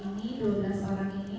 ini dua belas orang ini